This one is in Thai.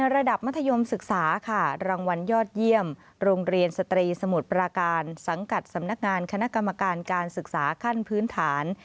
ระดับมัธยมศึกษาค่ะรางวัลยอดเยี่ยมโรงเรียนสตรีสมุทรปราการสังกัดสำนักงานคณะกรรมการการศึกษาขั้นพื้นฐาน